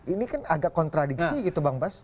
ini kan agak kontradiksi gitu bang bas